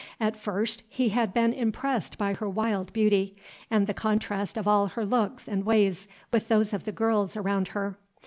At first he had been impressed by her wild beauty, and the contrast of all her looks and ways with those of the girls around her.